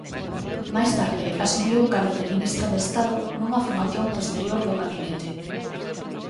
Máis tarde asumiu o cargo de Ministra de Estado nunha formación posterior do gabinete.